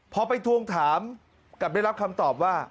พอไปทวงถามกลับได้รับคำตอบว่า